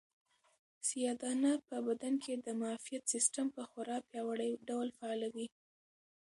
سیاه دانه په بدن کې د معافیت سیسټم په خورا پیاوړي ډول فعالوي.